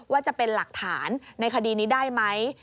ว่าจะเป็นหลักฐานในคดีนี้ได้ไหม